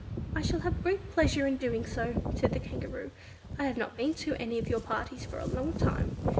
"I shall have great pleasure in doing so," said the Kangaroo; "I have not been to any of your parties for a long time.